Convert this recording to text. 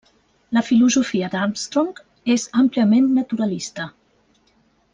La filosofia d'Armstrong és àmpliament naturalista.